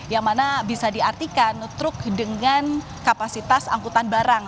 yang mana bisa diartikan truk dengan kapasitas angkutan barang